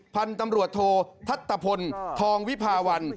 พันธุ์ตำรวจโททัศพลทองวิภาวัน